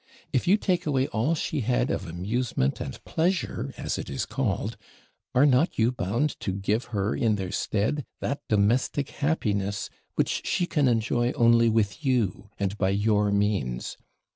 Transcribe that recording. if you take away all she had of amusement and PLEASURE, as it is called, are not you bound to give her, in their stead, that domestic happiness, which she can enjoy only with you, and by your means?